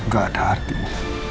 gak ada artinya